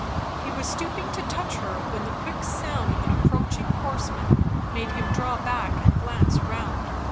He was stooping to touch her when the quick sound of an approaching horse man made him draw back and glance round.